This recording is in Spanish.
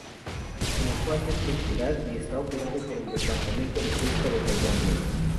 El acuario es propiedad y está operado por el Departamento de Pesca de Tailandia.